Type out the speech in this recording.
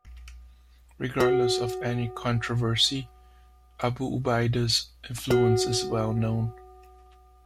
Regardless of any controversy, Abu Ubaida's influence is well known.